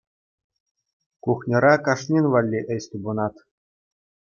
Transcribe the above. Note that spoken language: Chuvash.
Кухньӑра кашнин валли ӗҫ тупӑнать.